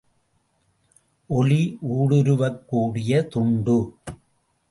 ஒளி ஊடுருவக் கூடிய துண்டு.